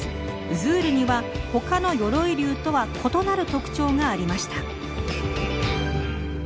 ズールにはほかの鎧竜とは異なる特徴がありました。